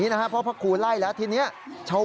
สายลูกไว้อย่าใส่